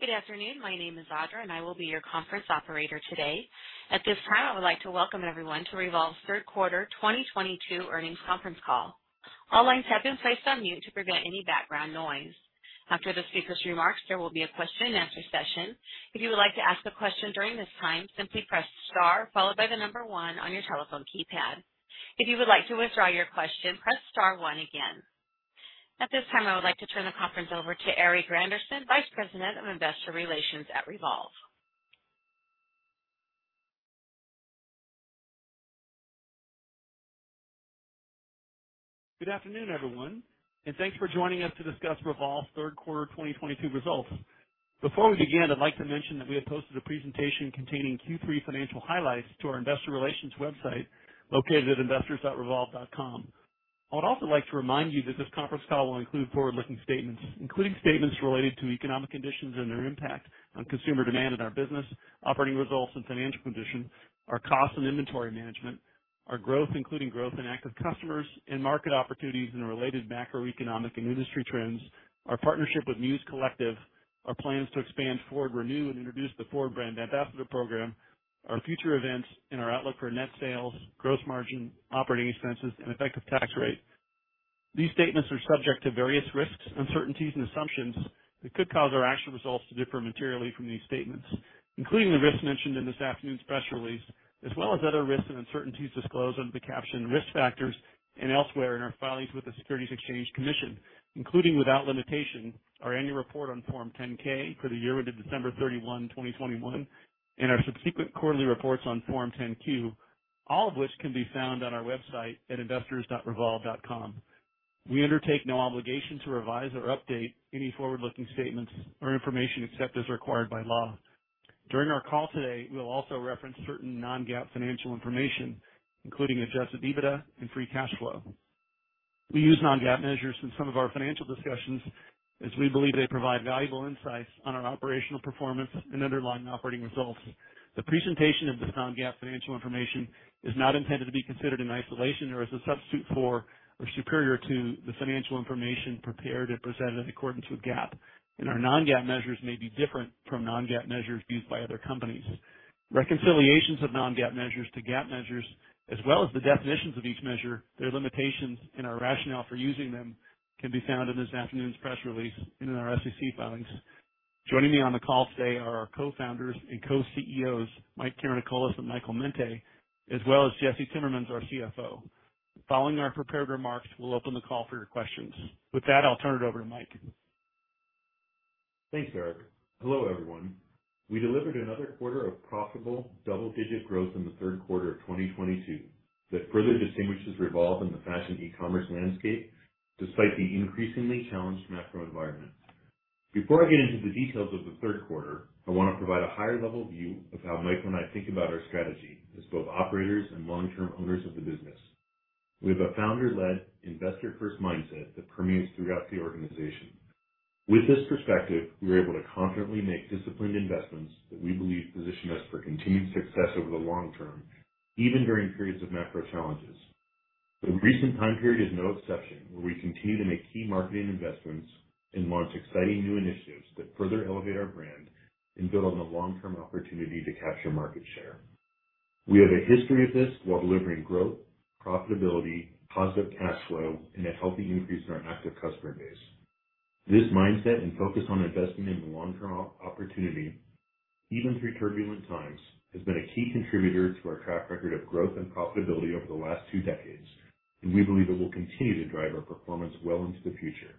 Good afternoon. My name is Audra, and I will be your conference operator today. At this time, I would like to welcome everyone to REVOLVE's third quarter 2022 earnings conference call. All lines have been placed on mute to prevent any background noise. After the speaker's remarks, there will be a question and answer session. If you would like to ask a question during this time, simply press star followed by the number one on your telephone keypad. If you would like to withdraw your question, press star one again. At this time, I would like to turn the conference over to Erik Randerson, Vice President of Investor Relations at REVOLVE. Good afternoon, everyone, and thanks for joining us to discuss REVOLVE's third quarter 2022 results. Before we begin, I'd like to mention that we have posted a presentation containing Q3 financial highlights to our investor relations website, located at investors.revolve.com. I would also like to remind you that this conference call will include forward-looking statements, including statements related to economic conditions and their impact on consumer demand and our business, operating results and financial condition, our cost and inventory management, our growth, including growth in active customers and market opportunities and the related macroeconomic and industry trends, our partnership with Muus Collective, our plans to expand FWRD Renew and introduce the FWRD brand ambassador program, our future events, and our outlook for net sales, gross margin, operating expenses and effective tax rate. These statements are subject to various risks, uncertainties, and assumptions that could cause our actual results to differ materially from these statements, including the risks mentioned in this afternoon's press release, as well as other risks and uncertainties disclosed under the caption Risk Factors and elsewhere in our filings with the Securities and Exchange Commission, including, without limitation, our annual report on Form 10-K for the year ended December 31, 2021, and our subsequent quarterly reports on Form 10-Q, all of which can be found on our website at investors.revolve.com. We undertake no obligation to revise or update any forward-looking statements or information except as required by law. During our call today, we will also reference certain non-GAAP financial information, including Adjusted EBITDA and free cash flow. We use non-GAAP measures in some of our financial discussions as we believe they provide valuable insights on our operational performance and underlying operating results. The presentation of this non-GAAP financial information is not intended to be considered in isolation or as a substitute for, or superior to, the financial information prepared and presented in accordance with GAAP, and our non-GAAP measures may be different from non-GAAP measures used by other companies. Reconciliations of non-GAAP measures to GAAP measures as well as the definitions of each measure, their limitations and our rationale for using them can be found in this afternoon's press release and in our SEC filings. Joining me on the call today are our co-founders and co-CEOs, Mike Karanikolas and Michael Mente, as well as Jesse Timmermans, our CFO. Following our prepared remarks, we'll open the call for your questions. With that, I'll turn it over to Mike. Thanks, Eric. Hello, everyone. We delivered another quarter of profitable double-digit growth in the third quarter of 2022 that further distinguishes REVOLVE in the fashion e-commerce landscape despite the increasingly challenged macro environment. Before I get into the details of the third quarter, I wanna provide a higher level view of how Michael and I think about our strategy as both operators and long-term owners of the business. We have a founder-led investor first mindset that permeates throughout the organization. With this perspective, we are able to confidently make disciplined investments that we believe position us for continued success over the long term, even during periods of macro challenges. The recent time period is no exception, where we continue to make key marketing investments and launch exciting new initiatives that further elevate our brand and build on the long-term opportunity to capture market share. We have a history of this while delivering growth, profitability, positive cash flow, and a healthy increase in our active customer base. This mindset and focus on investing in the long-term opportunity, even through turbulent times, has been a key contributor to our track record of growth and profitability over the last two decades, and we believe it will continue to drive our performance well into the future.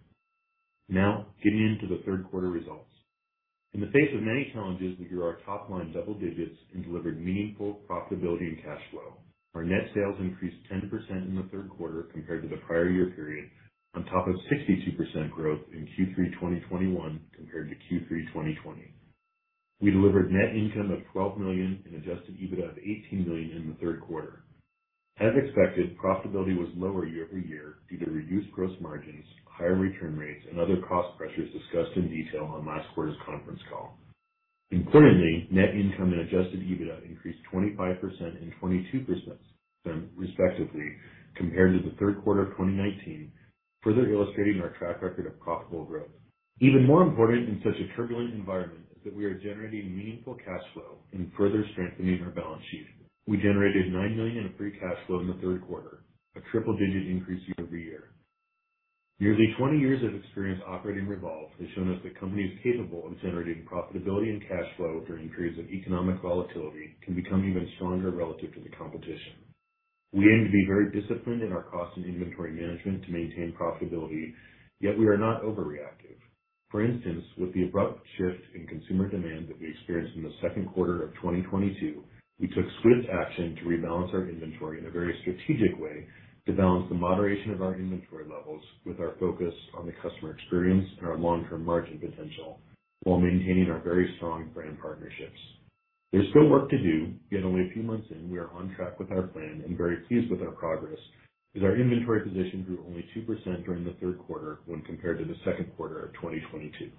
Now, getting into the third quarter results. In the face of many challenges, we grew our top line double digits and delivered meaningful profitability and cash flow. Our net sales increased 10% in the third quarter compared to the prior year period, on top of 62% growth in Q3 2021 compared to Q3 2020. We delivered net income of $12 million and Adjusted EBITDA of $18 million in the third quarter. As expected, profitability was lower year-over-year due to reduced gross margins, higher return rates, and other cost pressures discussed in detail on last quarter's conference call. Importantly, net income and adjusted EBITDA increased 25% and 22%, respectively, compared to the third quarter of 2019, further illustrating our track record of profitable growth. Even more important in such a turbulent environment is that we are generating meaningful cash flow and further strengthening our balance sheet. We generated $9 million of free cash flow in the third quarter, a triple-digit increase year-over-year. Nearly 20 years of experience operating REVOLVE has shown us that companies capable of generating profitability and cash flow during periods of economic volatility can become even stronger relative to the competition. We aim to be very disciplined in our cost and inventory management to maintain profitability, yet we are not overreactive. For instance, with the abrupt shift in consumer demand that we experienced in the second quarter of 2022, we took swift action to rebalance our inventory in a very strategic way to balance the moderation of our inventory levels with our focus on the customer experience and our long-term margin potential while maintaining our very strong brand partnerships. There's still work to do, yet only a few months in, we are on track with our plan and very pleased with our progress, as our inventory position grew only 2% during the third quarter when compared to the second quarter of 2022.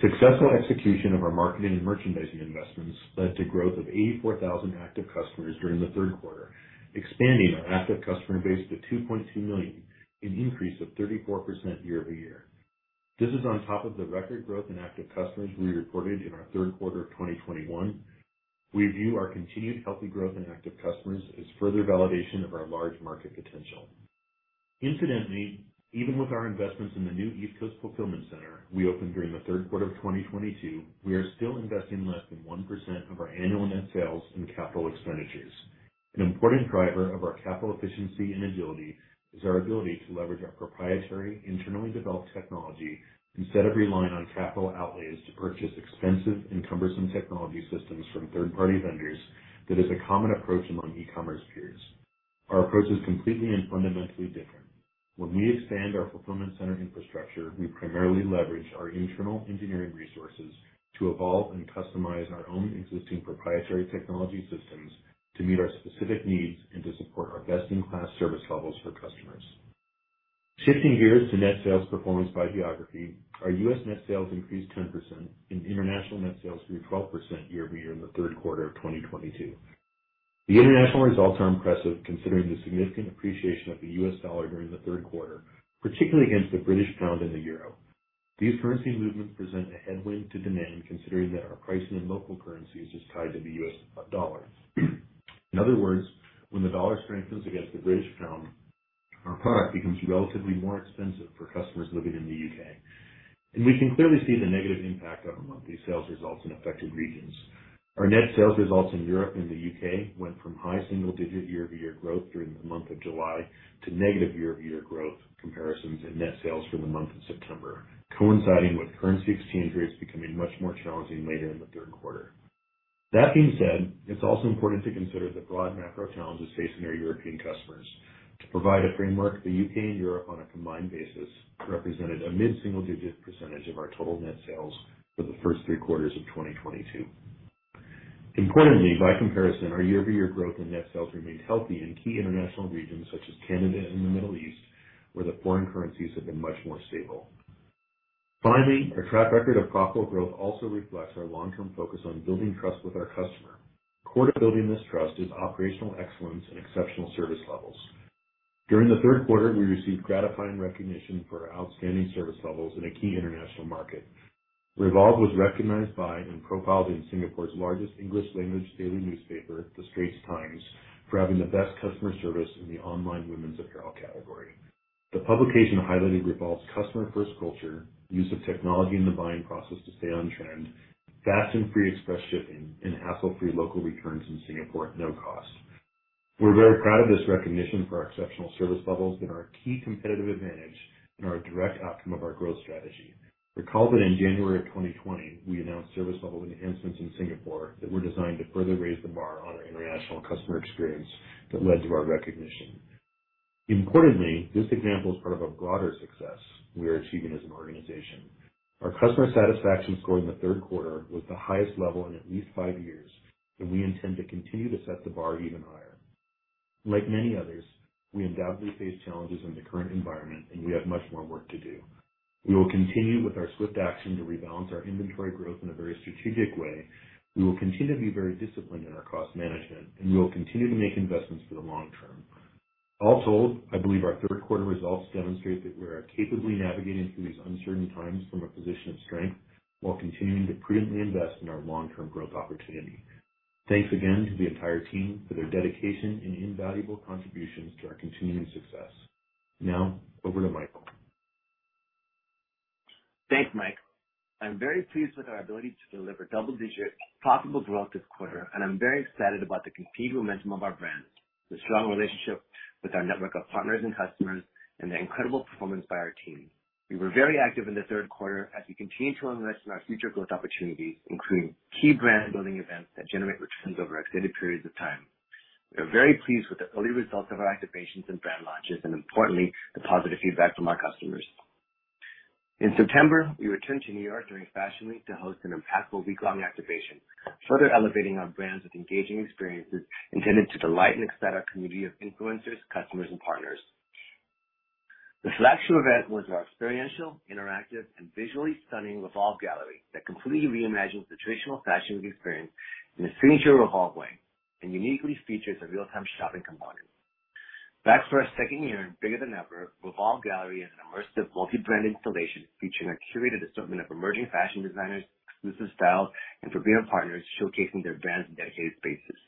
Successful execution of our marketing and merchandising investments led to growth of 84,000 active customers during the third quarter, expanding our active customer base to 2.2 million, an increase of 34% year-over-year. This is on top of the record growth in active customers we reported in our third quarter of 2021. We view our continued healthy growth in active customers as further validation of our large market potential. Incidentally, even with our investments in the new East Coast fulfillment center we opened during the third quarter of 2022, we are still investing less than 1% of our annual net sales in capital expenditures. An important driver of our capital efficiency and agility is our ability to leverage our proprietary, internally developed technology instead of relying on capital outlays to purchase expensive and cumbersome technology systems from third-party vendors that is a common approach among e-commerce peers. Our approach is completely and fundamentally different. When we expand our fulfillment center infrastructure, we primarily leverage our internal engineering resources to evolve and customize our own existing proprietary technology systems to meet our specific needs and to support our best-in-class service levels for customers. Shifting gears to net sales performance by geography, our U.S. net sales increased 10% and international net sales grew 12% year-over-year in the third quarter of 2022. The international results are impressive considering the significant appreciation of the U.S. dollar during the third quarter, particularly against the British pound and the euro. These currency movements present a headwind to demand, considering that our pricing in local currency is just tied to the U.S. dollars. In other words, when the dollar strengthens against the British pound, our product becomes relatively more expensive for customers living in the U.K., and we can clearly see the negative impact of monthly sales results in affected regions. Our net sales results in Europe and the U.K. went from high single-digit year-over-year growth during the month of July to negative year-over-year growth comparisons in net sales for the month of September, coinciding with currency exchange rates becoming much more challenging later in the third quarter. That being said, it's also important to consider the broad macro challenges facing our European customers. To provide a framework, the U.K. and Europe on a combined basis represented a mid-single-digit percentage of our total net sales for the first three quarters of 2022. Importantly, by comparison, our year-over-year growth in net sales remained healthy in key international regions such as Canada and the Middle East, where the foreign currencies have been much more stable. Finally, our track record of profitable growth also reflects our long-term focus on building trust with our customer. Core to building this trust is operational excellence and exceptional service levels. During the third quarter, we received gratifying recognition for our outstanding service levels in a key international market. REVOLVE was recognized by and profiled in Singapore's largest English language daily newspaper, The Straits Times, for having the best customer service in the online women's apparel category. The publication highlighted REVOLVE's customer-first culture, use of technology in the buying process to stay on trend, fast and free express shipping, and hassle-free local returns in Singapore at no cost. We're very proud of this recognition for our exceptional service levels that are a key competitive advantage and are a direct outcome of our growth strategy. Recall that in January of 2020, we announced service level enhancements in Singapore that were designed to further raise the bar on our international customer experience that led to our recognition. Importantly, this example is part of a broader success we are achieving as an organization. Our customer satisfaction score in the third quarter was the highest level in at least five years, and we intend to continue to set the bar even higher. Like many others, we undoubtedly face challenges in the current environment, and we have much more work to do. We will continue with our swift action to rebalance our inventory growth in a very strategic way. We will continue to be very disciplined in our cost management, and we will continue to make investments for the long term. Also, I believe our third quarter results demonstrate that we are capably navigating through these uncertain times from a position of strength while continuing to prudently invest in our long-term growth opportunity. Thanks again to the entire team for their dedication and invaluable contributions to our continuing success. Now over to Michael. Thanks, Mike. I'm very pleased with our ability to deliver double-digit profitable growth this quarter, and I'm very excited about the continued momentum of our brand, the strong relationship with our network of partners and customers, and the incredible performance by our team. We were very active in the third quarter as we continue to invest in our future growth opportunities, including key brand building events that generate returns over extended periods of time. We are very pleased with the early results of our activations and brand launches and importantly, the positive feedback from our customers. In September, we returned to New York during Fashion Week to host an impactful week-long activation, further elevating our brands with engaging experiences intended to delight and excite our community of influencers, customers, and partners. The flagship event was our experiential, interactive, and visually stunning REVOLVE Gallery that completely reimagines the traditional Fashion Week experience in a signature REVOLVE way and uniquely features a real-time shopping component. Back for our second year and bigger than ever, REVOLVE Gallery is an immersive multi-brand installation featuring a curated assortment of emerging fashion designers, exclusive styles, and premium partners showcasing their brands in dedicated spaces.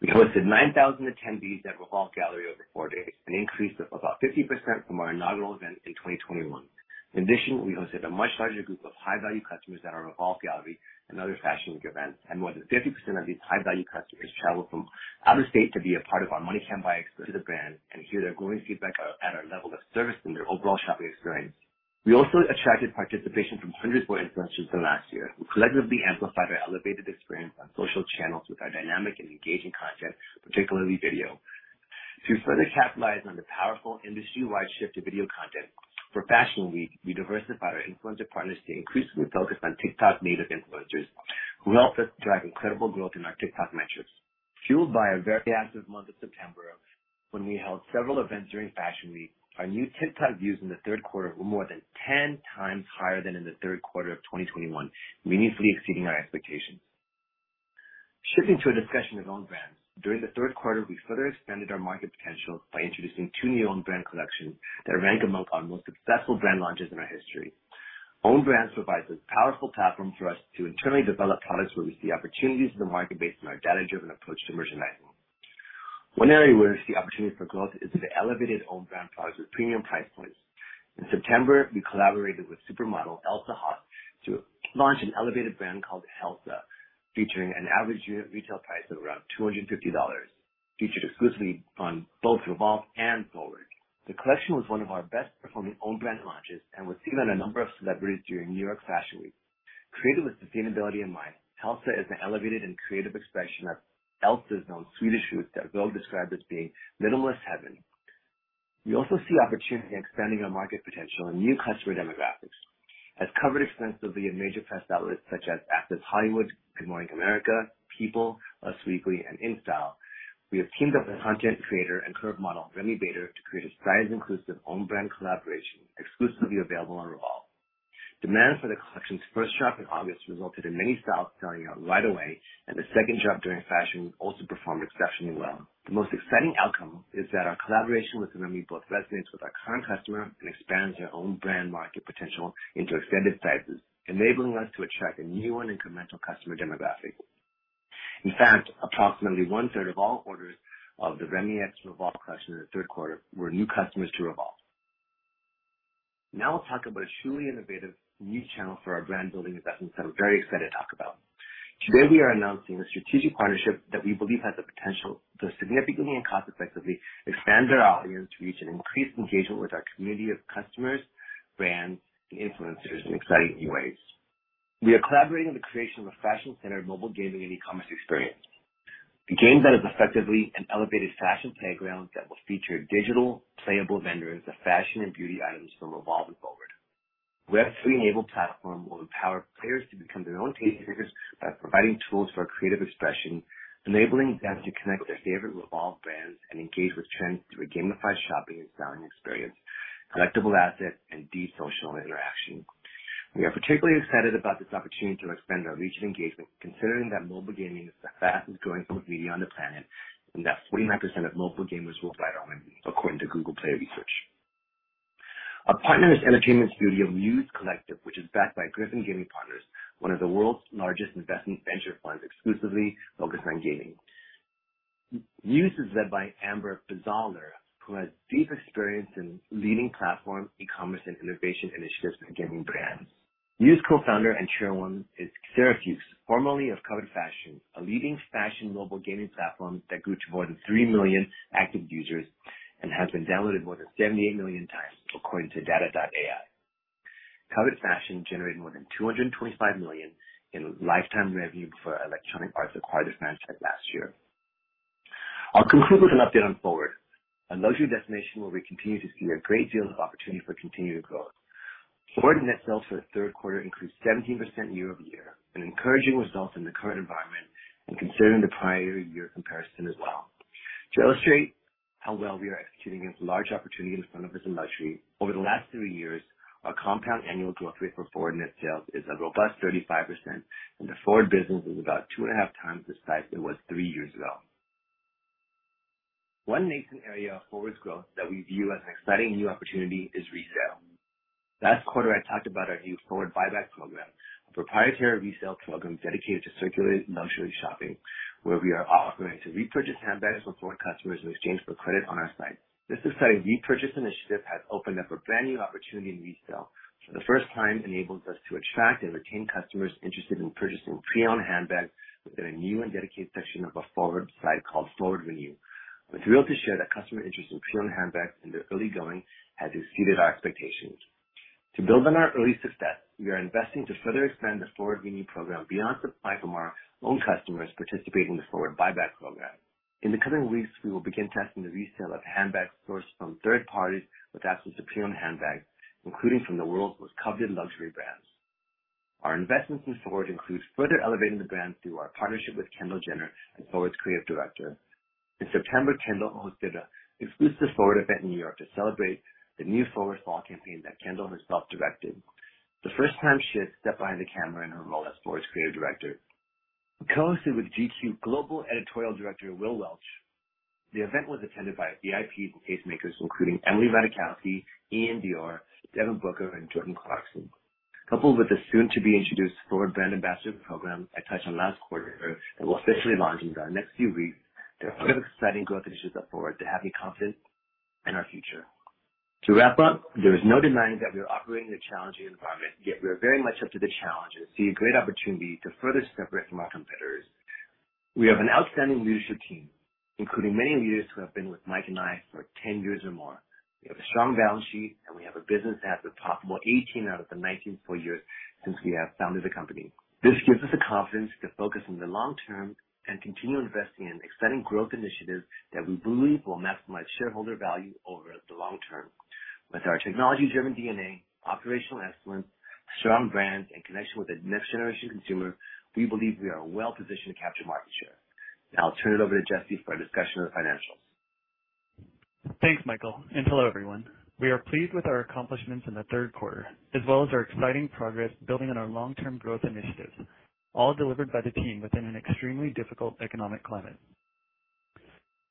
We hosted 9,000 attendees at REVOLVE Gallery over four days, an increase of about 50% from our inaugural event in 2021. In addition, we hosted a much larger group of high-value customers at our REVOLVE Gallery and other Fashion Week events, and more than 50% of these high-value customers traveled from out of state to be a part of our "money can't buy" exclusive brand, and hear their growing feedback at our level of service and their overall shopping experience. We also attracted participation from hundreds more influencers than last year, who collectively amplified our elevated experience on social channels with our dynamic and engaging content, particularly video. To further capitalize on the powerful industry-wide shift to video content, for Fashion Week, we diversified our influencer partners to increasingly focus on TikTok native influencers who helped us drive incredible growth in our TikTok metrics. Fueled by a very active month of September. When we held several events during Fashion Week, our new TikTok views in the third quarter were more than 10 times higher than in the third quarter of 2021, meaningfully exceeding our expectations. Shifting to a discussion of own brands. During the third quarter, we further expanded our market potential by introducing two new on brand collections that rank among our most successful brand launches in our history. Own brands provides a powerful platform for us to internally develop products where we see opportunities in the market based on our data-driven approach to merchandising. One area where we see opportunity for growth is with elevated own brand products with premium price points. In September, we collaborated with supermodel Elsa Hosk to launch an elevated brand called Helsa, featuring an average unit retail price of around $250, featured exclusively on both REVOLVE and FWRD. The collection was one of our best performing own brand launches and was seen on a number of celebrities during New York Fashion Week. Created with sustainability in mind, Helsa is an elevated and creative expression of Elsa's own Swedish roots that Vogue described as being minimalist heaven. We also see opportunity in expanding our market potential in new customer demographics. As covered extensively in major press outlets such as Access Hollywood, Good Morning America, People, Us Weekly, and InStyle, we have teamed up with content creator and curve model Remi Bader to create a size-inclusive own brand collaboration exclusively available on REVOLVE. Demand for the collection's first drop in August resulted in many styles selling out right away, and the second drop during Fashion Week also performed exceptionally well. The most exciting outcome is that our collaboration with Remi both resonates with our current customer and expands our own brand market potential into extended sizes, enabling us to attract a new and incremental customer demographic. In fact, approximately 1/3 of all orders of the Remi x REVOLVE collection in the third quarter were new customers to REVOLVE. Now I'll talk about a truly innovative new channel for our brand-building investments that I'm very excited to talk about. Today we are announcing a strategic partnership that we believe has the potential to significantly and cost effectively expand our audience reach and increase engagement with our community of customers, brands, and influencers in exciting new ways. We are collaborating on the creation of a fashion-centered mobile gaming and e-commerce experience. The game that is effectively an elevated fashion playground that will feature digital playable vendors of fashion and beauty items from REVOLVE and FWRD. Web3-enabled platform will empower players to become their own tastemakers by providing tools for creative expression, enabling them to connect with their favorite REVOLVE brands and engage with trends through a gamified shopping and styling experience, collectible assets, and deep social interaction. We are particularly excited about this opportunity to expand our reach and engagement, considering that mobile gaming is the fastest-growing form of media on the planet, and that 49% of mobile gamers will buy their own, according to Google Play research. Our partner is entertainment studio Muus Collective, which is backed by Griffin Gaming Partners, one of the world's largest investment venture funds exclusively focused on gaming. Muus is led by Amber Bazalgette, who has deep experience in leading platform, e-commerce, and innovation initiatives in gaming brands. Muus Co-founder and Chairwoman is Sarah Fuchs, formerly of Covet Fashion, a leading fashion mobile gaming platform that grew to more than 3 million active users and has been downloaded more than 78 million times, according to Data.ai. Covet Fashion generated more than $225 million in lifetime revenue before Electronic Arts acquired it last year. I'll conclude with an update on FWRD, a luxury destination where we continue to see a great deal of opportunity for continued growth. FWRD net sales for the third quarter increased 17% year-over-year, an encouraging result in the current environment and considering the prior year comparison as well. To illustrate how well we are executing against large opportunity in front of us in luxury, over the last three years, our compound annual growth rate for FWRD net sales is a robust 35%, and the FWRD business is about two and a half times the size it was three years ago. One nascent area of FWRD's growth that we view as an exciting new opportunity is resale. Last quarter, I talked about our new FWRD Buyback program, a proprietary resale program dedicated to curating luxury shopping, where we are offering to repurchase handbags from FWRD customers in exchange for credit on our site. This exciting repurchase initiative has opened up a brand new opportunity in resale, for the first time enables us to attract and retain customers interested in purchasing pre-owned handbags within a new and dedicated section of our FWRD site called FWRD Renew. We're thrilled to share that customer interest in pre-owned handbags in their early going has exceeded our expectations. To build on our early success, we are investing to further expand the FWRD Renew program beyond supply from our own customers participating in the FWRD Buyback program. In the coming weeks, we will begin testing the resale of handbags sourced from third parties with access to pre-owned handbags, including from the world's most coveted luxury brands. Our investments in FWRD includes further elevating the brand through our partnership with Kendall Jenner as FWRD's Creative Director. In September, Kendall hosted an exclusive FWRD event in New York to celebrate the new FWRD fall campaign that Kendall herself directed. The first time she had stepped behind the camera in her role as FWRD's creative director. Co-hosted with GQ Global Editorial Director Will Welch, the event was attended by VIP tastemakers, including Emily Ratajkowski, Iann Dior, Devin Booker, and Jordan Clarkson. Coupled with the soon to be introduced FWRD brand ambassador program I touched on last quarter that will officially launch in the next few weeks, there are a lot of exciting growth initiatives at FWRD that have me confident in our future. To wrap up, there is no denying that we are operating in a challenging environment, yet we are very much up to the challenge and see a great opportunity to further separate from our competitors. We have an outstanding leadership team, including many leaders who have been with Mike and I for 10 years or more. We have a strong balance sheet, and we have a business that has been profitable 18 out of the 19 full years since we have founded the company. This gives us the confidence to focus on the long term and continue investing in exciting growth initiatives that we believe will maximize shareholder value over the long term. With our technology driven DNA, operational excellence, strong brands, and connection with the next generation consumer, we believe we are well positioned to capture market share. Now I'll turn it over to Jesse for a discussion of the financials. Thanks, Michael, and hello, everyone. We are pleased with our accomplishments in the third quarter, as well as our exciting progress building on our long-term growth initiatives, all delivered by the team within an extremely difficult economic climate.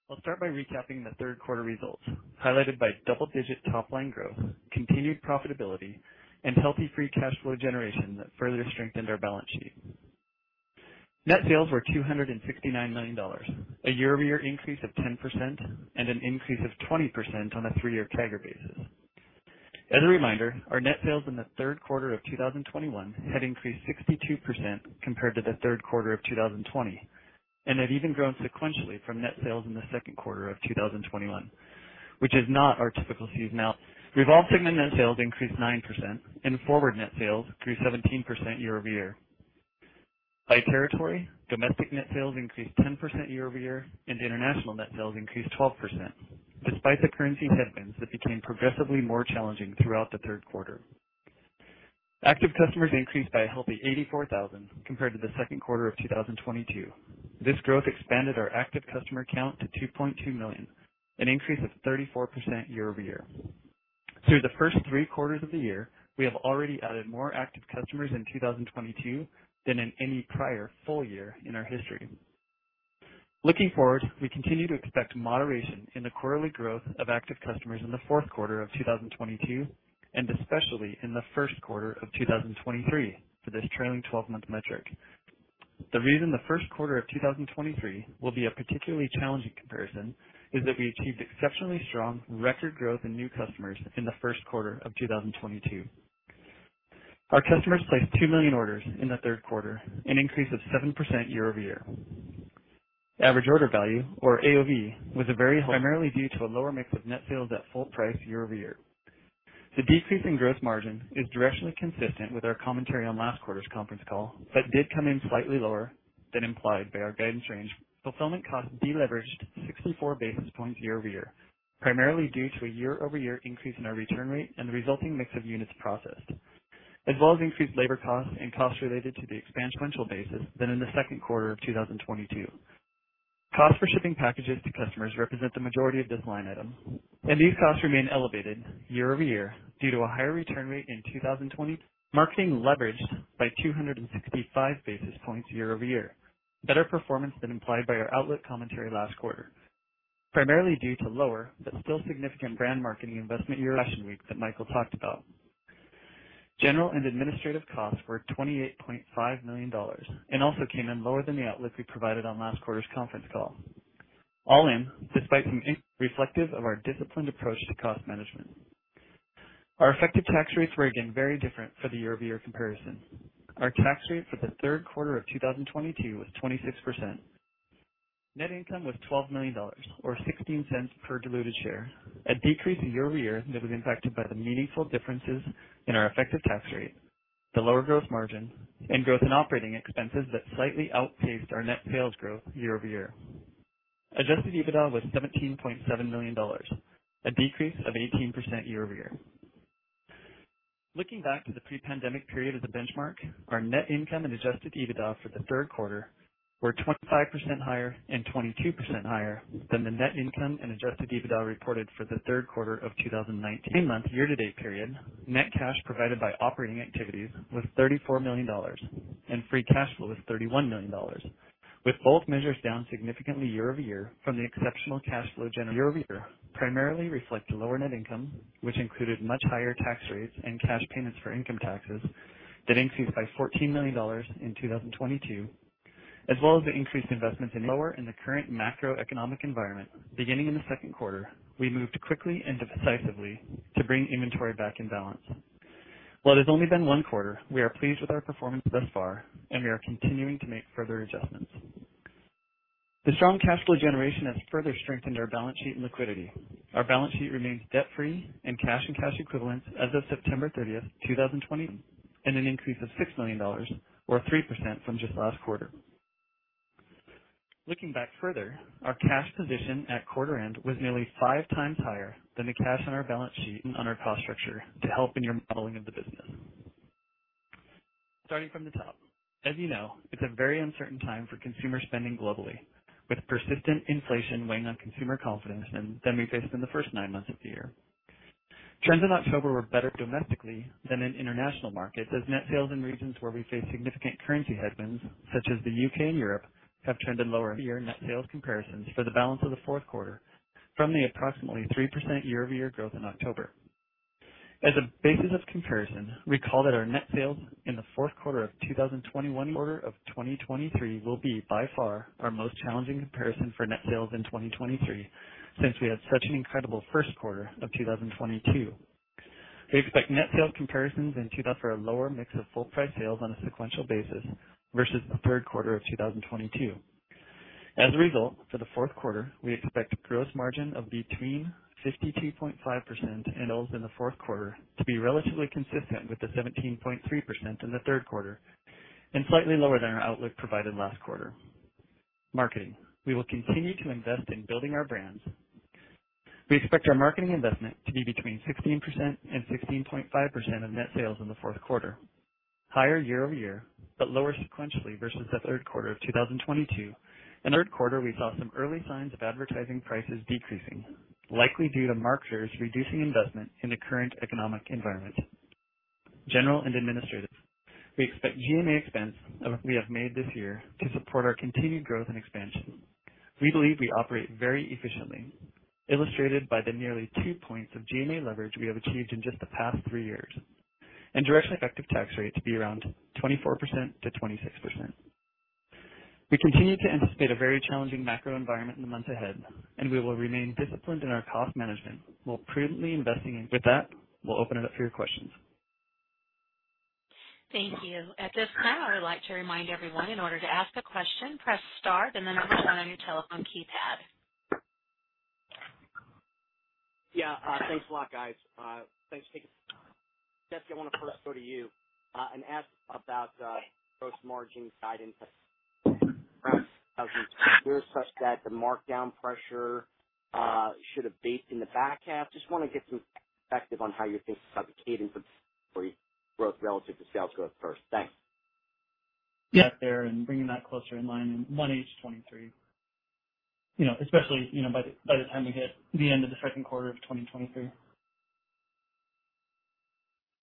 I'll start by recapping the third quarter results, highlighted by double-digit top-line growth, continued profitability, and healthy free cash flow generation that further strengthened our balance sheet. Net sales were $269 million, a year-over-year increase of 10% and an increase of 20% on a three-year CAGR basis. As a reminder, our net sales in the third quarter of 2021 had increased 62% compared to the third quarter of 2020, and had even grown sequentially from net sales in the second quarter of 2021, which is not our typical season. Now, REVOLVE's net sales increased 9% and FWRD net sales increased 17% year-over-year. By territory, domestic net sales increased 10% year-over-year, and international net sales increased 12%, despite the currency headwinds that became progressively more challenging throughout the third quarter. Active customers increased by a healthy 84,000 compared to the second quarter of 2022. This growth expanded our active customer count to 2.2 million, an increase of 34% year-over-year. Through the first three quarters of the year, we have already added more active customers in 2022 than in any prior full year in our history. Looking forward, we continue to expect moderation in the quarterly growth of active customers in the fourth quarter of 2022 and especially in the first quarter of 2023 for this trailing twelve-month metric. The reason the first quarter of 2023 will be a particularly challenging comparison is that we achieved exceptionally strong record growth in new customers in the first quarter of 2022. Our customers placed 2 million orders in the third quarter, an increase of 7% year-over-year. Average order value, or AOV, was primarily due to a lower mix of net sales at full price year-over-year. The decrease in gross margin is directionally consistent with our commentary on last quarter's conference call, but did come in slightly lower than implied by our guidance range. Fulfillment costs deleveraged 64 basis points year-over-year, primarily due to a year-over-year increase in our return rate and the resulting mix of units processed, as well as increased labor costs and costs related to the expansion on a sequential basis than in the second quarter of 2022. Costs for shipping packages to customers represent the majority of this line item, and these costs remain elevated year-over-year due to a higher return rate in 2020. Marketing leveraged by 265 basis points year-over-year. Better performance than implied by our outlook commentary last quarter, primarily due to lower but still significant brand marketing investment during Fashion Week that Michael talked about. General and administrative costs were $28.5 million and also came in lower than the outlook we provided on last quarter's conference call. All in, reflective of our disciplined approach to cost management. Our effective tax rates were again very different for the year-over-year comparison. Our tax rate for the third quarter of 2022 was 26%. Net income was $12 million or $0.16 per diluted share, a decrease year-over-year that was impacted by the meaningful differences in our effective tax rate, the lower gross margin, and growth in operating expenses that slightly outpaced our net sales growth year-over-year. Adjusted EBITDA was $17.7 million, a decrease of 18% year-over-year. Looking back to the pre-pandemic period as a benchmark, our net income and adjusted EBITDA for the third quarter were 25% higher and 22% higher than the net income and adjusted EBITDA reported for the third quarter of 2019. 9-month year-to-date period, net cash provided by operating activities was $34 million and free cash flow was $31 million, with both measures down significantly year-over-year from the exceptional cash flow generated. Year-over-year primarily reflect lower net income, which included much higher tax rates and cash payments for income taxes that increased by $14 million in 2022, as well as the increased investment in inventory lower in the current macroeconomic environment. Beginning in the second quarter, we moved quickly and decisively to bring inventory back in balance. While it has only been one quarter, we are pleased with our performance thus far, and we are continuing to make further adjustments. The strong cash flow generation has further strengthened our balance sheet and liquidity. Our balance sheet remains debt-free and cash and cash equivalents as of September 30, 2020, and an increase of $6 million, or 3% from just last quarter. Looking back further, our cash position at quarter end was nearly 5x higher than the cash on our balance sheet. On our cost structure to help in your modeling of the business. Starting from the top, as you know, it's a very uncertain time for consumer spending globally, with persistent inflation weighing on consumer confidence more than we faced in the first 9 months of the year. Trends in October were better domestically than in international markets, as net sales in regions where we face significant currency headwinds, such as the U.K. and Europe, have trended lower. Year-over-year net sales comparisons for the balance of the fourth quarter from the approximately 3% year-over-year growth in October. As a basis of comparison, recall that our net sales in the fourth quarter of 2021. Quarter of 2023 will be by far our most challenging comparison for net sales in 2023 since we had such an incredible first quarter of 2022. We expect net sales comparisons in 2023 for a lower mix of full price sales on a sequential basis versus the third quarter of 2022. As a result, for the fourth quarter, we expect gross margin of between 52.5% and. SG&A in the fourth quarter to be relatively consistent with the 17.3% in the third quarter and slightly lower than our outlook provided last quarter. Marketing. We will continue to invest in building our brands. We expect our marketing investment to be between 16% and 16.5% of net sales in the fourth quarter, higher year-over-year, but lower sequentially versus the third quarter of 2022. In the third quarter, we saw some early signs of advertising prices decreasing, likely due to marketers reducing investment in the current economic environment. General and administrative. We expect G&A expense we have made this year to support our continued growth and expansion. We believe we operate very efficiently, illustrated by the nearly 2 points of G&A leverage we have achieved in just the past three years and our effective tax rate to be around 24%-26%. We continue to anticipate a very challenging macro environment in the months ahead, and we will remain disciplined in our cost management while prudently investing. With that, we'll open it up for your questions. Thank you. At this time, I would like to remind everyone in order to ask a question, press star then the number sign on your telephone keypad. Yeah. Thanks a lot, guys. Thanks. Jesse, I wanna first go to you and ask about gross margin guidance such that the markdown pressure should have abated in the back half. Just wanna get some perspective on how you're thinking about the cadence of growth relative to sales growth first. Thanks. Yeah. They're bringing that closer in line in 1H 2023. You know, especially, you know, by the time we hit the end of the second quarter of 2023.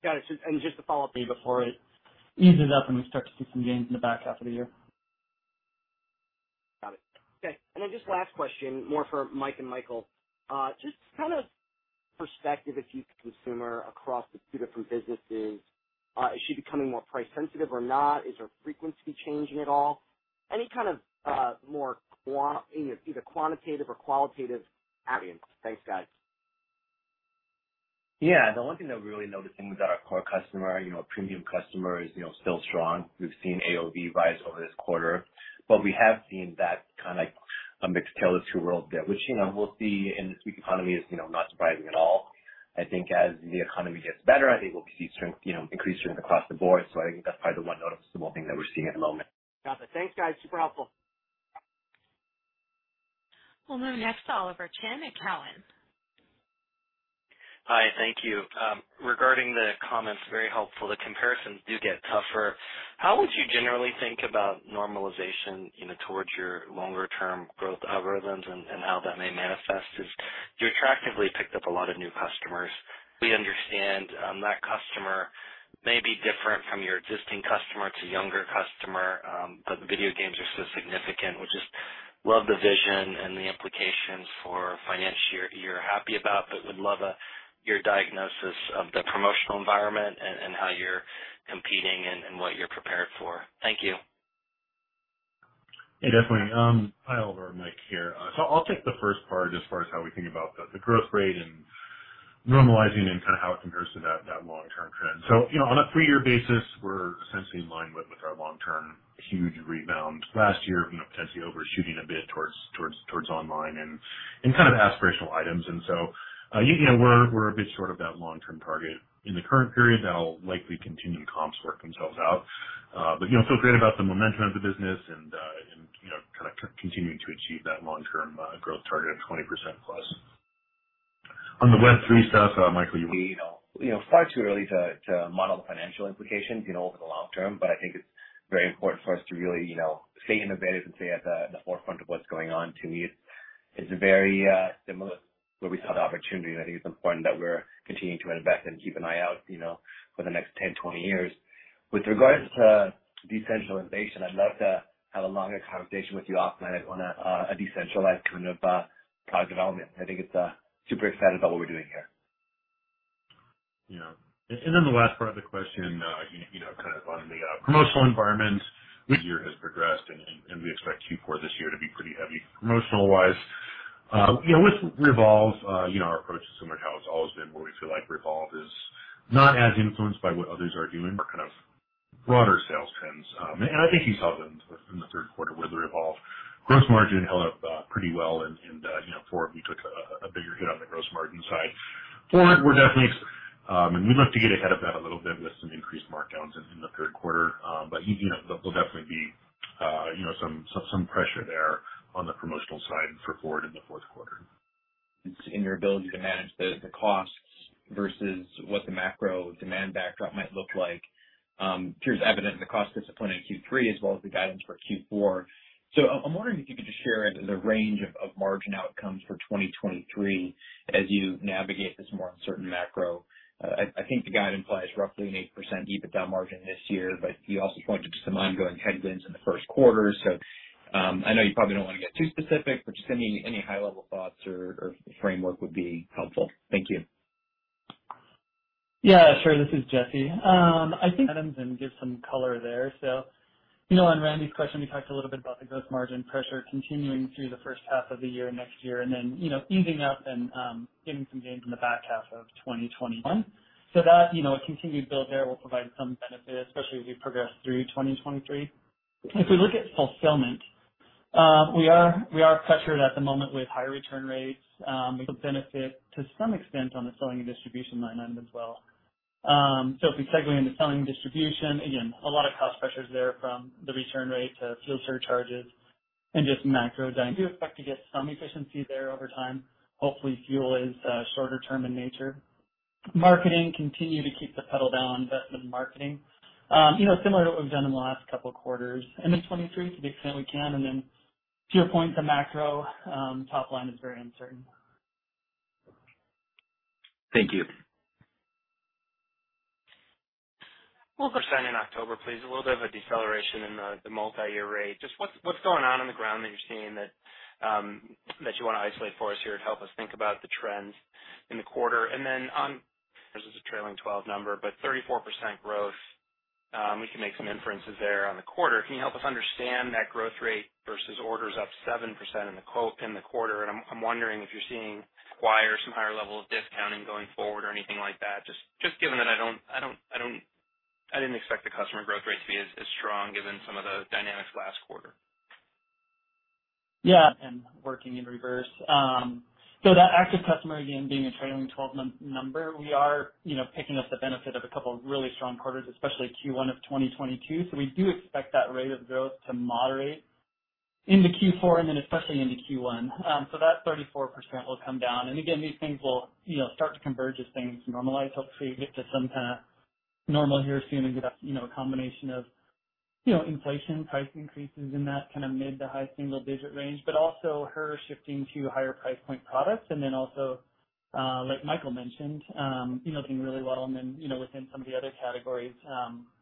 Got it. Just a follow-up before it. Eases up and we start to see some gains in the back half of the year. Got it. Okay. Just last question, more for Mike and Michael. Just kind of perspective on the consumer across the two different businesses, is she becoming more price sensitive or not? Is her frequency changing at all? Any kind of, either quantitative or qualitative. Thanks, guys. Yeah. The one thing that we're really noticing with our core customer, you know, premium customer is, you know, still strong. We've seen AOV rise over this quarter, but we have seen that kind of a mixed tale is the real world there, which, you know, we'll see in this weak economy, is, you know, not surprising at all. I think as the economy gets better, I think we'll see strength, you know, increased strength across the board. I think that's probably the one noticeable thing that we're seeing at the moment. Got it. Thanks, guys. Super helpful. We'll move next to Oliver Chen at Cowen. Hi. Thank you. Regarding the comments, very helpful. The comparisons do get tougher. How would you generally think about normalization, you know, towards your longer term growth algorithms and how that may manifest as you attractively picked up a lot of new customers? We understand that customer may be different from your existing customer. It's a younger customer, but the video games are so significant. We just love the vision and the implications for financial year you're happy about, but would love your diagnosis of the promotional environment and how you're competing and what you're prepared for. Thank you. Yeah, definitely. Hi, Oliver. Mike here. I'll take the first part as far as how we think about the growth rate and normalizing and kind of how it compares to that long-term trend. You know, on a three-year basis, we're essentially in line with our long-term huge rebound last year from potentially overshooting a bit towards online and kind of aspirational items. You know, we're a bit short of that long-term target in the current period. That'll likely continue comps work themselves out, but you know, feel great about the momentum of the business and you know, kind of continuing to achieve that long-term growth target of 20%+. On the Web3 stuff, Michael, you want to- You know, far too early to model the financial implications, you know, over the long term. I think it's very important for us to really, you know, stay innovative and stay at the forefront of what's going on. To me, it's very similar where we saw the opportunity. I think it's important that we're continuing to invest and keep an eye out, you know, for the next 10, 20 years. With regards to decentralization, I'd love to have a longer conversation with you, Oliver, on a decentralized kind of product development. I think I'm super excited about what we're doing here. Yeah. The last part of the question, you know, kind of on the promotional environment this year has progressed and we expect Q4 this year to be pretty heavy promotional-wise. You know, with REVOLVE, our approach is similar to how it's always been, where we feel like REVOLVE is not as influenced by what others are doing or kind of broader sales trends. I think you saw that in the third quarter where the REVOLVE gross margin held up pretty well. You know, FWRD, we took a bigger hit on the gross margin side. FWRD, we're definitely. We look to get ahead of that a little bit with some increased markdowns in the third quarter. You know, there'll definitely be, you know, some pressure there on the promotional side for FWRD in the fourth quarter. It's in your ability to manage the costs versus what the macro demand backdrop might look like. It's evident in the cost discipline in Q3 as well as the guidance for Q4. I'm wondering if you could just share the range of margin outcomes for 2023 as you navigate this more uncertain macro. I think the guidance implies roughly an 8% EBITDA margin this year, but you also pointed to some ongoing headwinds in the first quarter. I know you probably don't want to get too specific, but just any high level thoughts or framework would be helpful. Thank you. Yeah, sure. This is Jesse. I think it means to give some color there. You know, on Randy's question, we talked a little bit about the gross margin pressure continuing through the first half of the year next year and then, you know, easing up and getting some gains in the back half of 2021. That, you know, a continued build there will provide some benefit, especially as we progress through 2023. If we look at fulfillment, we are pressured at the moment with higher return rates. We could benefit to some extent on the selling and distribution line item as well. If we segue into selling distribution, again, a lot of cost pressures there from the return rate to fuel surcharges and just macro dynamics. We do expect to get some efficiency there over time. Hopefully, fuel is shorter term in nature. Marketing, continue to keep the pedal down, investment in marketing, you know, similar to what we've done in the last couple of quarters. End of 2023 to the extent we can and then to your point on macro, top line is very uncertain. Thank you. Well, percent in October, please. A little bit of a deceleration in the multi-year rate. Just what's going on on the ground that you're seeing that you wanna isolate for us here to help us think about the trends in the quarter. This is a trailing twelve number, but 34% growth, we can make some inferences there on the quarter. Can you help us understand that growth rate versus orders up 7% in the quarter in the quarter? I'm wondering if you're seeing a higher level of discounting going forward or anything like that. Just given that I don't I didn't expect the customer growth rate to be as strong given some of the dynamics last quarter. Yeah. Working in reverse. That active customer, again, being a trailing 12-month number, we are, you know, picking up the benefit of a couple really strong quarters, especially Q1 of 2022. We do expect that rate of growth to moderate into Q4 and then especially into Q1. That 34% will come down. These things will, you know, start to converge as things normalize. Hopefully, we get to some kinda normal here soon and get a, you know, a combination of, you know, inflation price increases in that kinda mid to high single digit range. But also our shifting to higher price point products. Then also, like Michael mentioned, you know, doing really well. Then, you know, within some of the other categories,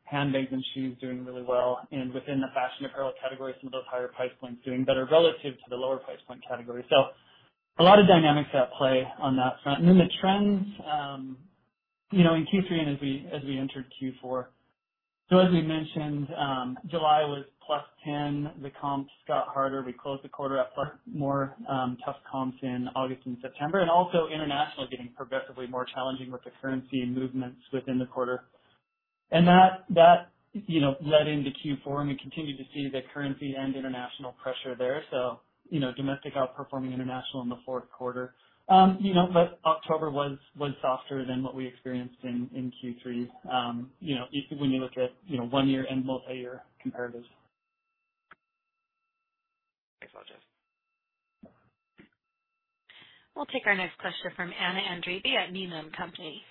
handbags and shoes doing really well. Within the fashion apparel category, some of those higher price points doing better relative to the lower price point category. A lot of dynamics at play on that front. Then the trends in Q3 and as we entered Q4. As we mentioned, July was +10%. The comps got harder. We closed the quarter at +4%, tough comps in August and September. Also international getting progressively more challenging with the currency movements within the quarter. That led into Q4, and we continued to see the currency and international pressure there. Domestic outperforming international in the fourth quarter. October was softer than what we experienced in Q3 when you look at one year and multiyear comparatives. Thanks a lot, Jesse. We'll take our next question from Anna Andreeva at Needham & Company.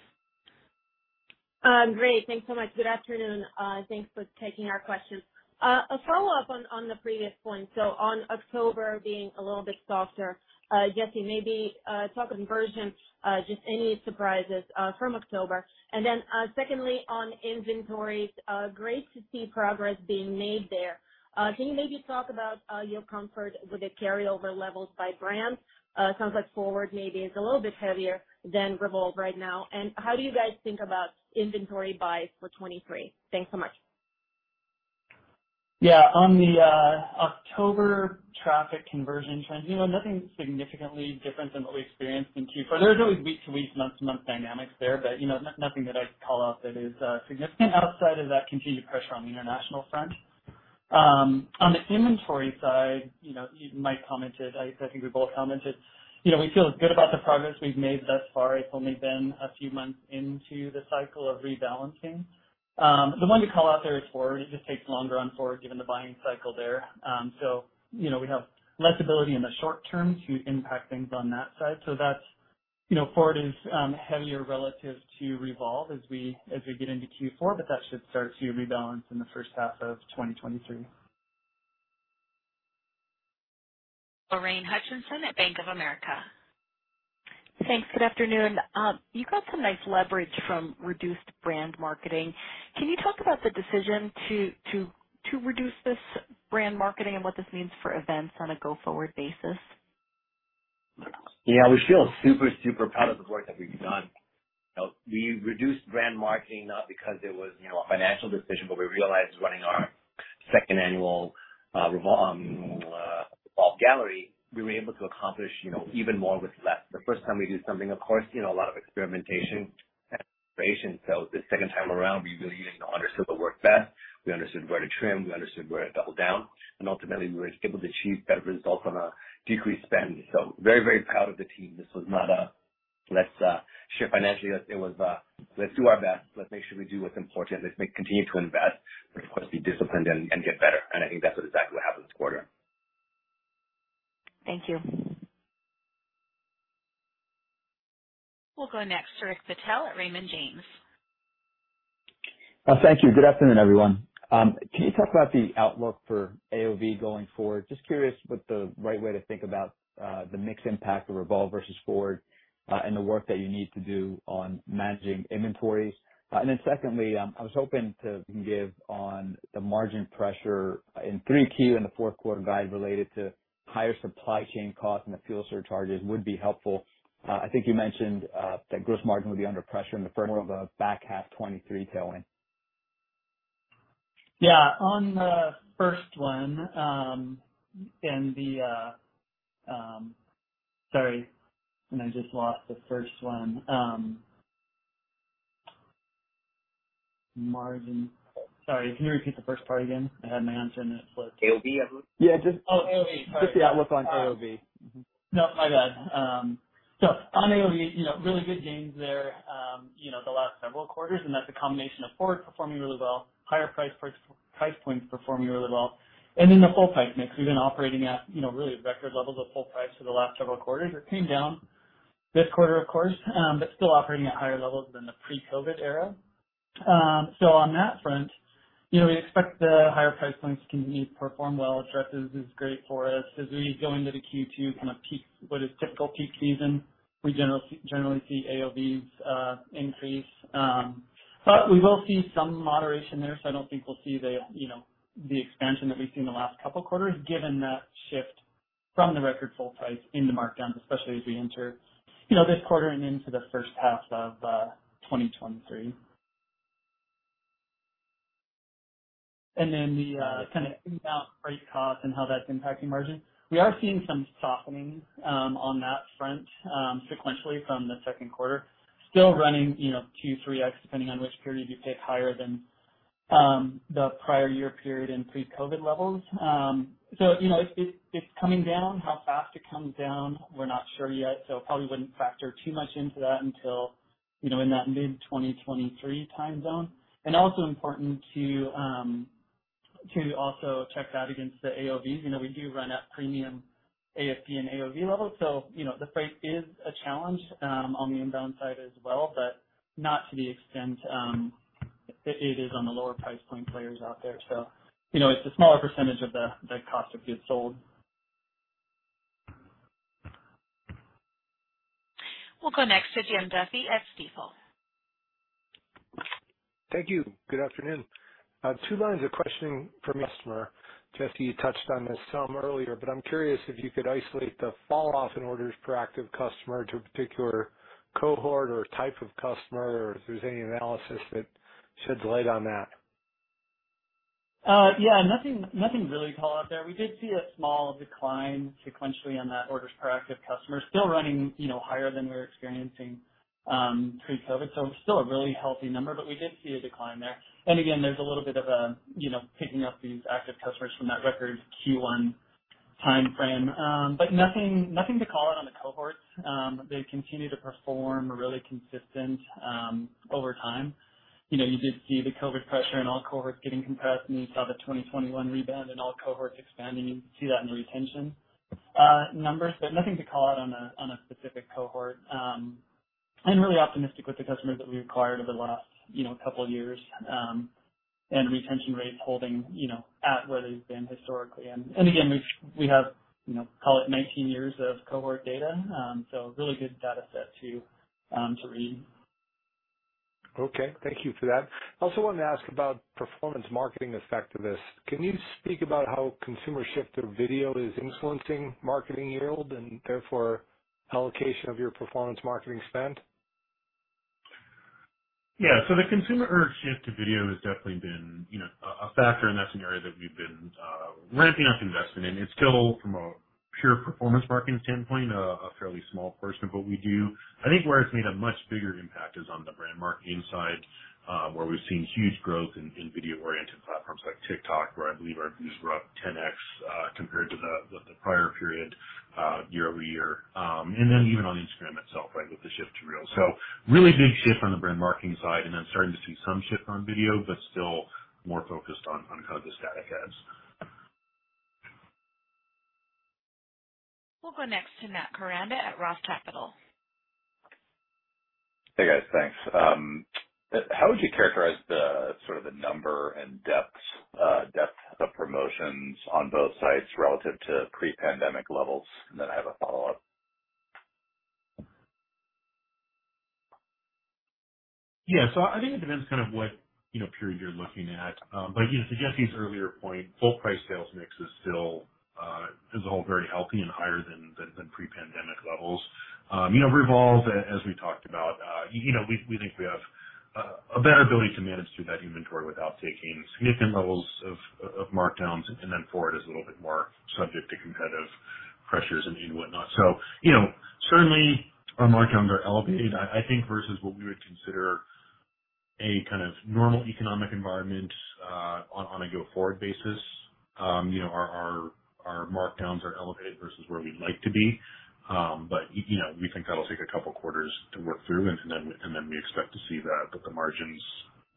Great. Thanks so much. Good afternoon. Thanks for taking our questions. A follow-up on the previous point. On October being a little bit softer, Jesse, maybe talk conversion, just any surprises from October. Secondly, on inventories, great to see progress being made there. Can you maybe talk about your comfort with the carryover levels by brand? It sounds like FWRD maybe is a little bit heavier than REVOLVE right now. How do you guys think about inventory buys for 2023? Thanks so much. Yeah. On the October traffic conversion trends, you know, nothing significantly different than what we experienced in Q4. There's always week-to-week, month-to-month dynamics there, but, you know, nothing that I'd call out that is significant outside of that continued pressure on the international front. On the inventory side, you know, Mike commented, I think we both commented, you know, we feel good about the progress we've made thus far. It's only been a few months into the cycle of rebalancing. The one to call out there is FWRD. It just takes longer on FWRD given the buying cycle there. So, you know, we have less ability in the short term to impact things on that side. That's, you know, FWRD is heavier relative to REVOLVE as we get into Q4, but that should start to rebalance in the first half of 2023. Lorraine Hutchinson at Bank of America. Thanks. Good afternoon. You got some nice leverage from reduced brand marketing. Can you talk about the decision to reduce this brand marketing and what this means for events on a go forward basis? Yeah. We feel super proud of the work that we've done. You know, we reduced brand marketing not because it was, you know, a financial decision, but we realized running our second annual REVOLVE Gallery, we were able to accomplish, you know, even more with less. The first time we do something, of course, you know, a lot of experimentation and inspiration. The second time around, we really understood what worked best. We understood where to trim, we understood where to double down, and ultimately, we were able to achieve better results on a decreased spend. Very proud of the team. This was not a let's shift financially. It was let's do our best. Let's make sure we do what's important. Let's continue to invest, but of course, be disciplined and get better. I think that's exactly what happened this quarter. Thank you. We'll go next to Rick Patel at Raymond James. Thank you. Good afternoon, everyone. Can you talk about the outlook for AOV going forward? Just curious what the right way to think about the mix impact of REVOLVE versus FWRD and the work that you need to do on managing inventories. And then secondly, I was hoping to give on the margin pressure in 3Q and the fourth quarter guide related to higher supply chain costs and the fuel surcharges would be helpful. I think you mentioned that gross margin would be under pressure in the front of the back half 2023 tailwind. Yeah. On the first one. Sorry. I just lost the first one. Margin. Sorry, can you repeat the first part again? I had my answer and it was. AOV, I believe. Yeah. Oh, AOV. Sorry. Just the outlook on AOV. No, my bad. On AOV, you know, really good gains there, you know, the last several quarters, and that's a combination of FWRD performing really well, higher price points performing really well. In the full price mix, we've been operating at, you know, really record levels of full price for the last several quarters. It came down this quarter, of course, but still operating at higher levels than the pre-COVID era. On that front, you know, we expect the higher price points to continue to perform well, dresses is great for us. As we go into the Q2 kind of peak, what is typical peak season, we generally see AOV increase. We will see some moderation there, so I don't think we'll see the, you know, the expansion that we've seen the last couple quarters, given that shift from the record full price into markdowns, especially as we enter, you know, this quarter and into the first half of 2023. Then the kind of inbound freight costs and how that's impacting margin. We are seeing some softening on that front sequentially from the second quarter. Still running, you know, 2x-3x, depending on which period you pick, higher than the prior year period in pre-COVID levels. You know, it's coming down. How fast it comes down, we're not sure yet, so probably wouldn't factor too much into that until, you know, in that mid-2023 time zone. Also important to also check that against the AOV. You know, we do run at premium AFP and AOV levels, so you know, the freight is a challenge on the inbound side as well, but not to the extent it is on the lower price point players out there. You know, it's a smaller percentage of the cost of goods sold. We'll go next to Jim Duffy at Stifel. Thank you. Good afternoon. Two lines of questioning from customer. Jesse, you touched on this some earlier, but I'm curious if you could isolate the falloff in orders per active customer to a particular cohort or type of customer, or if there's any analysis that sheds light on that? Nothing really to call out there. We did see a small decline sequentially on that orders per active customer. Still running, you know, higher than we were experiencing pre-COVID, so still a really healthy number, but we did see a decline there. Again, there's a little bit of a, you know, picking up these active customers from that record Q1 timeframe. But nothing to call out on the cohorts. They continue to perform really consistent over time. You know, you did see the COVID pressure in all cohorts getting compressed, and you saw the 2021 rebound in all cohorts expanding. You see that in the retention numbers, but nothing to call out on a specific cohort. I'm really optimistic with the customers that we acquired over the last, you know, couple years, and retention rates holding, you know, at where they've been historically. Again, we have, you know, call it 19 years of cohort data, so really good data set to read. Okay. Thank you for that. I also wanted to ask about performance marketing effectiveness. Can you speak about how consumer shift to video is influencing marketing yield and therefore allocation of your performance marketing spend? Yeah. The consumer shift to video has definitely been, you know, a factor, and that's an area that we've been ramping up investment in. It's still from a pure performance marketing standpoint a fairly small portion of what we do. I think where it's made a much bigger impact is on the brand marketing side, where we've seen huge growth in video-oriented platforms like TikTok, where I believe our views were up 10x compared to the prior period year-over-year. Then even on Instagram itself, right, with the shift to Reels. Really big shift on the brand marketing side and then starting to see some shift on video, but still more focused on how the static ads. We'll go next to Matt Koranda at ROTH Capital. Hey, guys. Thanks. How would you characterize the sort of the number and depth of promotions on both sides relative to pre-pandemic levels? Then I have a follow-up. Yeah. I think it depends kind of what, you know, period you're looking at. You know, to Jesse's earlier point, full price sales mix is still, as a whole very healthy and higher than pre-pandemic levels. You know, REVOLVE, as we talked about, you know, we think we have a better ability to manage through that inventory without taking significant levels of markdowns and then FWRD is a little bit more subject to competitive pressures and whatnot. You know, certainly our markdowns are elevated. I think versus what we would consider a kind of normal economic environment, on a go-forward basis, you know, our markdowns are elevated versus where we'd like to be. You know, we think that'll take a couple quarters to work through and then we expect to see the margins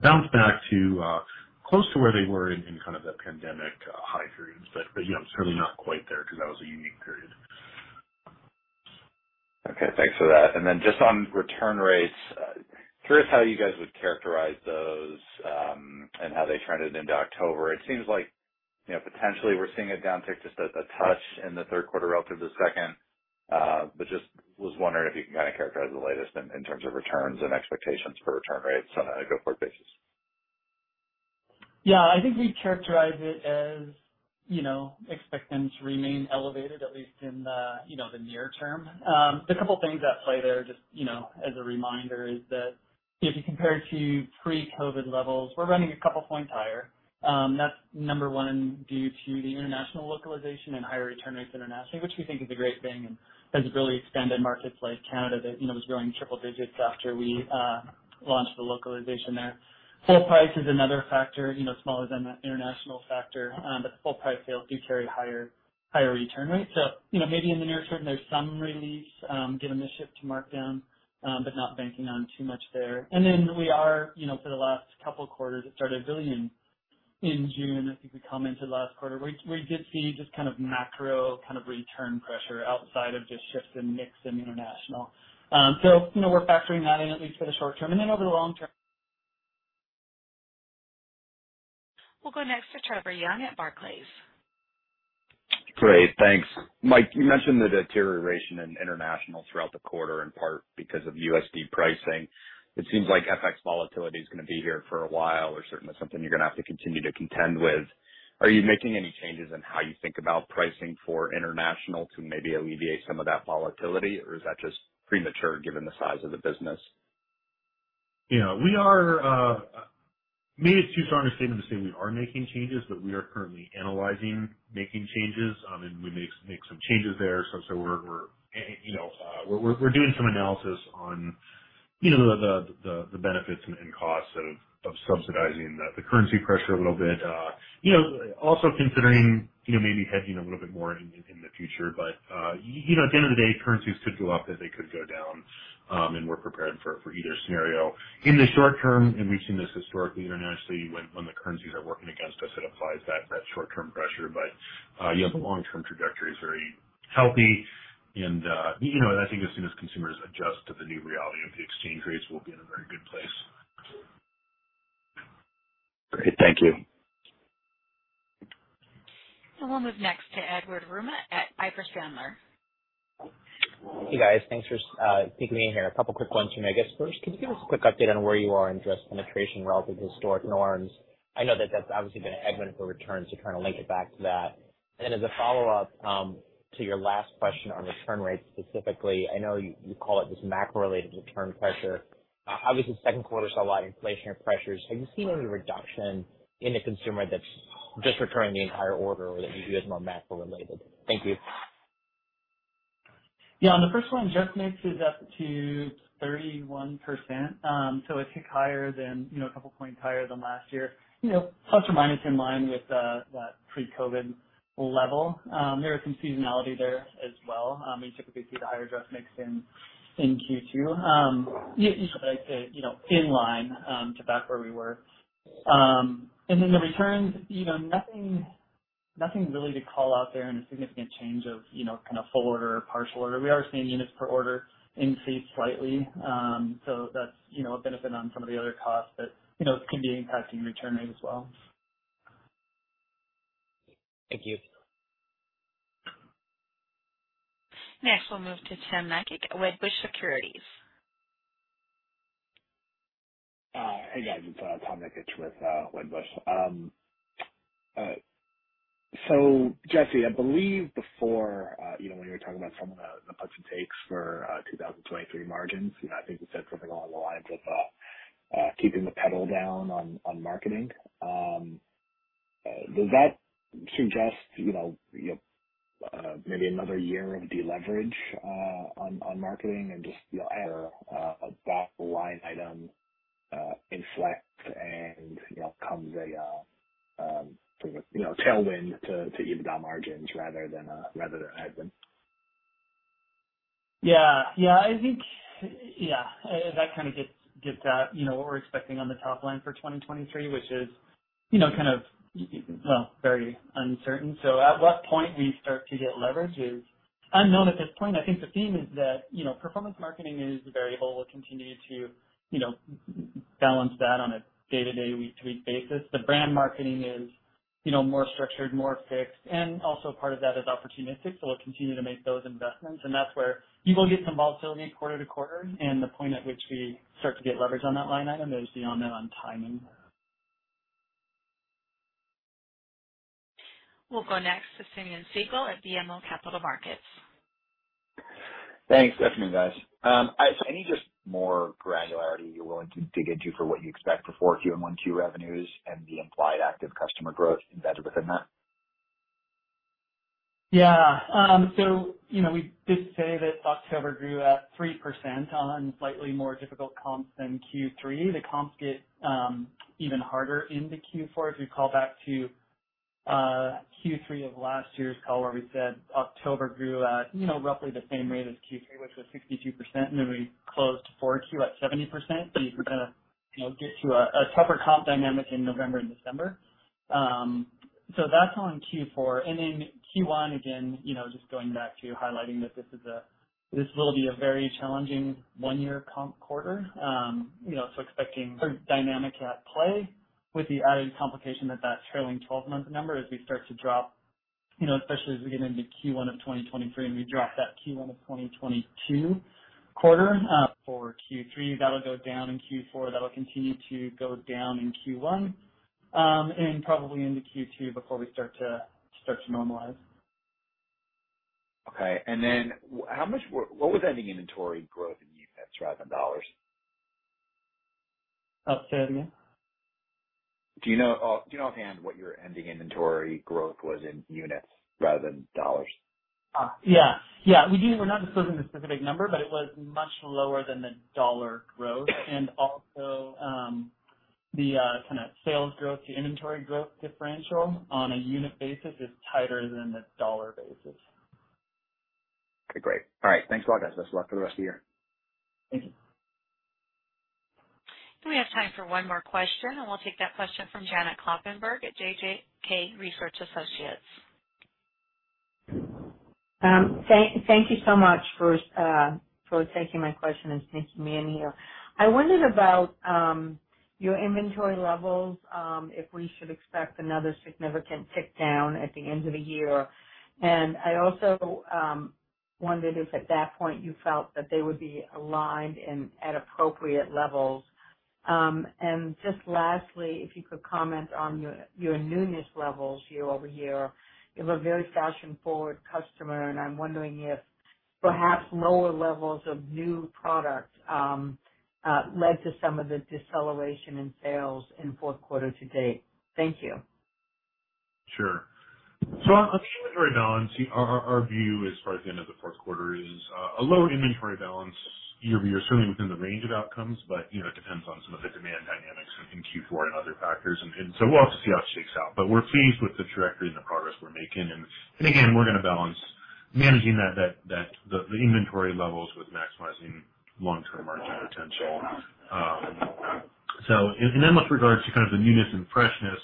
bounce back to close to where they were in kind of the pandemic high periods. You know, certainly not quite there because that was a unique period. Okay, thanks for that. Then just on return rates, curious how you guys would characterize those, and how they trended into October. It seems like, you know, potentially we're seeing a downtick, just a touch in the third quarter relative to second. Just was wondering if you can kind of characterize the latest in terms of returns and expectations for return rates on a go-forward basis. Yeah. I think we'd characterize it as, you know, expect them to remain elevated, at least in the, you know, the near term. A couple things at play there, just, you know, as a reminder, is that if you compare to pre-COVID levels, we're running a couple points higher. That's number one due to the international localization and higher return rates internationally, which we think is a great thing and has really expanded markets like Canada that, you know, was growing triple digits after we launched the localization there. Full price is another factor, you know, smaller than the international factor. But the full price sales do carry higher return rates. You know, maybe in the near term there's some relief, given the shift to markdown, but not banking on too much there. We are, you know, for the last couple quarters, it started really in June. I think we commented last quarter. We did see just kind of macro return pressure outside of just shifts in mix and international. So, you know, we're factoring that in at least for the short term. Over the long term. We'll go next to Trevor Young at Barclays. Great. Thanks. Mike, you mentioned the deterioration in international throughout the quarter, in part because of USD pricing. It seems like FX volatility is gonna be here for a while or certainly something you're gonna have to continue to contend with. Are you making any changes in how you think about pricing for international to maybe alleviate some of that volatility, or is that just premature given the size of the business? Yeah. We are. Maybe it's too strong a statement to say we are making changes, but we are currently analyzing making changes, and we may make some changes there. We're doing some analysis on, you know, the benefits and costs of subsidizing the currency pressure a little bit. You know, also considering, you know, maybe hedging a little bit more in the future. You know, at the end of the day, currencies could go up as they could go down, and we're prepared for either scenario. In the short term, and we've seen this historically internationally, when the currencies are working against us, it applies that short-term pressure. Yeah, the long-term trajectory is very healthy and, you know, and I think as soon as consumers adjust to the new reality of the exchange rates, we'll be in a very good place. Great. Thank you. We'll move next to Edward Yruma at Piper Sandler. Hey, guys. Thanks for fitting me in here. A couple quick ones from me. I guess first, could you give us a quick update on where you are in dress penetration relative to historic norms? I know that that's obviously been a headwind for returns to kind of link it back to that. Then as a follow-up, to your last question on return rates specifically, I know you call it this macro related return pressure. Obviously second quarter saw a lot of inflationary pressures. Have you seen any reduction in the consumer that's just returning the entire order or that you view as more macro related? Thank you. Yeah. On the first one, dress mix is up to 31%. A tick higher than, you know, a couple points higher than last year. You know, plus or minus in line with that pre-COVID level. There is some seasonality there as well. You typically see the higher dress mix in Q2. You should say, you know, in line to back where we were. The returns, you know, nothing really to call out there in a significant change of, you know, kind of full order or partial order. We are seeing units per order increase slightly. That's, you know, a benefit on some of the other costs that, you know, can be impacting return rate as well. Thank you. Next, we'll move to Tom Nikic at Wedbush Securities. Hey, guys. It's Tom Nikic with Wedbush. Jesse, I believe before, you know, when you were talking about some of the puts and takes for 2023 margins, you know, I think you said something along the lines of keeping the pedal down on marketing. Does that suggest, you know, you maybe another year of deleverage on marketing and just, you know, add a bottom line item inflect and, you know, comes a sort of, you know, tailwind to EBITDA margins rather than a headwind? Yeah, I think that kind of gets at, you know, what we're expecting on the top line for 2023, which is, you know, kind of, well, very uncertain. At what point we start to get leverage is unknown at this point. I think the theme is that, you know, performance marketing is a variable. We'll continue to, you know, balance that on a day-to-day, week-to-week basis. The brand marketing is, you know, more structured, more fixed, and also part of that is opportunistic. We'll continue to make those investments, and that's where you will get some volatility quarter to quarter. The point at which we start to get leverage on that line item is beyond me on timing. We'll go next to Simeon Siegel at BMO Capital Markets. Thanks. Good afternoon, guys. So any just more granularity you're willing to dig into for what you expect for Q4 and Q1 revenues and the implied active customer growth embedded within that? Yeah, you know, we did say that October grew at 3% on slightly more difficult comps than Q3. The comps get even harder into Q4. If you call back to Q3 of last year's call, where we said October grew at, you know, roughly the same rate as Q3, which was 62%, and then we closed Q4 at 70%. You're gonna, you know, get to a tougher comp dynamic in November and December. That's on Q4. Then Q1, again, you know, just going back to highlighting that this will be a very challenging one-year comp quarter. You know, expecting a dynamic at play with the added complication that trailing twelve-month number as we start to drop, you know, especially as we get into Q1 of 2023 and we drop that Q1 of 2022 quarter for Q3, that'll go down in Q4, that'll continue to go down in Q1, and probably into Q2 before we start to normalize. What was ending inventory growth in units rather than dollars? Say that again. Do you know offhand what your ending inventory growth was in units rather than dollars? Yeah. We do. We're not disclosing the specific number, but it was much lower than the dollar growth. Also, the kinda sales growth to inventory growth differential on a unit basis is tighter than the dollar basis. Okay, great. All right. Thanks a lot, guys. Best of luck for the rest of the year. Thank you. We have time for one more question, and we'll take that question from Janet Kloppenburg at JJK Research Associates. Thank you so much for taking my question and sneaking me in here. I wondered about your inventory levels if we should expect another significant tick down at the end of the year. I also wondered if at that point you felt that they would be aligned and at appropriate levels. Just lastly, if you could comment on your newness levels year over year. You have a very fashion-forward customer, and I'm wondering if perhaps lower levels of new products led to some of the deceleration in sales in fourth quarter to date. Thank you. Sure. So on the inventory balance, our view as far as the end of the fourth quarter is a lower inventory balance year-over-year, certainly within the range of outcomes, but you know, it depends on some of the demand dynamics in Q4 and other factors. We'll have to see how it shakes out. We're pleased with the trajectory and the progress we're making. We're gonna balance managing the inventory levels with maximizing long-term margin potential. With regards to kind of the newness and freshness,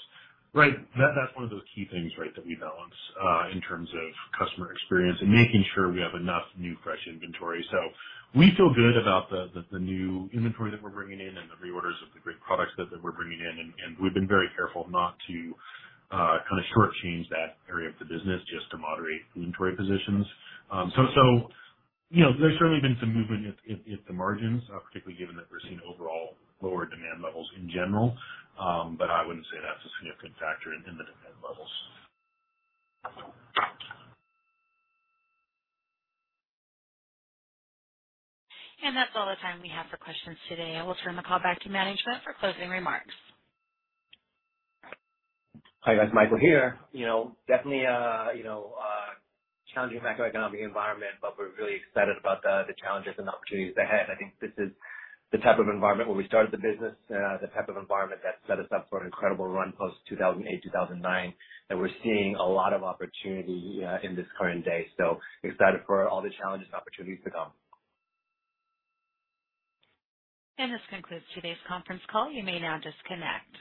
right, that's one of those key things, right, that we balance in terms of customer experience and making sure we have enough new, fresh inventory. We feel good about the new inventory that we're bringing in and the reorders of the great products that we're bringing in and we've been very careful not to kinda short-change that area of the business just to moderate inventory positions. You know, there's certainly been some movement at the margins, particularly given that we're seeing overall lower demand levels in general. I wouldn't say that's a significant factor in the demand levels. That's all the time we have for questions today. I will turn the call back to management for closing remarks. Hi, guys. Michael here. You know, definitely a challenging macroeconomic environment, but we're really excited about the challenges and opportunities ahead. I think this is the type of environment where we started the business, the type of environment that set us up for an incredible run post-2008, 2009, that we're seeing a lot of opportunity in this current day. Excited for all the challenges and opportunities to come. This concludes today's conference call. You may now disconnect.